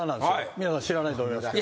皆さん知らないと思いますけど。